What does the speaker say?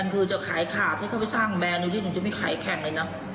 คือจะขายขาดให้เขาไปสร้างแบร์นูดิหนูจะไม่ขายแขลงอะไรนะ